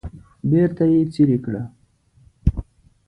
بیرته یې څیرې کړه.